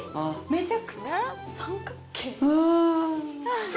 めちゃくちゃ三角形？